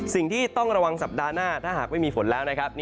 สิ่งที่ต้องระวังสัปดาห์หน้าถ้าหากไม่มีฝนแล้วนะครับ